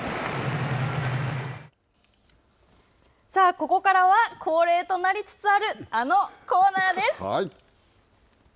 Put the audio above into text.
ここからは、恒例となりつつあるあのコーナーです。